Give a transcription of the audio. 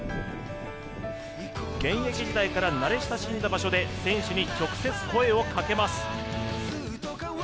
現役時代から慣れ親しんだ場所で選手に直接、声をかけます。